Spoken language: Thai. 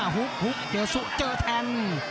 หุบเจอสู้เจอแทง